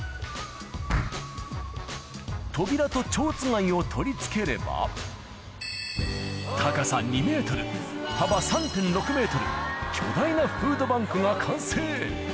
扉とちょうつがいを取り付ければ、高さ２メートル、幅３．６メートル、巨大なフードバンクが完成。